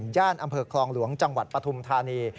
อำเภอคลองหลวงจังหวัดปฐุมธานี